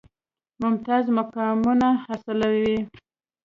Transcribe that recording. ممتاز مقامونه حاصلوي.